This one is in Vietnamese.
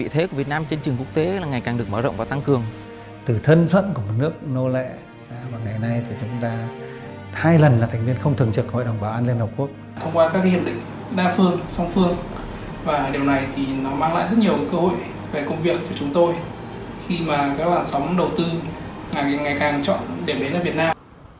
thông qua các hiệp định đa phương song phương điều này mang lại rất nhiều cơ hội về công việc cho chúng tôi khi mà các loạt sóng đầu tư ngày càng chọn điểm đến ở việt nam